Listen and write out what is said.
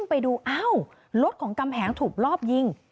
ไปดูอ้าวรถของกำแหงถูกรอบยิง